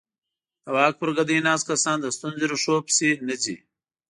د واک پر ګدۍ ناست کسان د ستونزې ریښو پسې نه ځي.